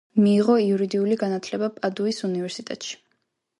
მიიღო იურიდიული განათლება პადუის უნივერსიტეტში.